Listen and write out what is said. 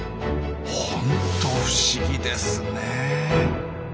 ホント不思議ですね。